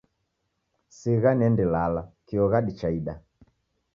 Sigha niendelala kio ghadi chaida.